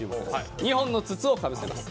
２本の筒をかぶせます。